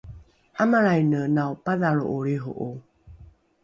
’amalraine naopadhalro’o lriho’o